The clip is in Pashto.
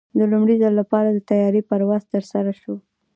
د لومړي ځل لپاره د طیارې پرواز ترسره شو.